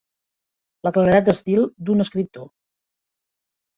La claredat d'estil d'un escriptor.